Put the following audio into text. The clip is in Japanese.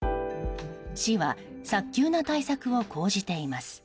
市は早急な対策を講じています。